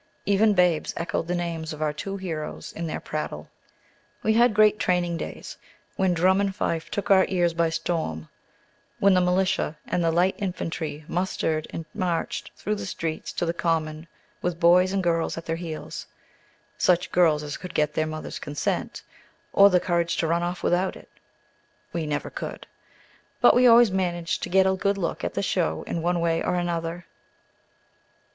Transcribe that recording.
Even babies echoed the names of our two heroes in their prattle. We had great "training days," when drum and fife took our ears by storm; When the militia and the Light Infantry mustered and marched through the streets to the Common with boys and girls at their heels, such girls as could get their mother's consent, or the courage to run off without it.(We never could.)But we always managed to get a good look at the show in one way or another.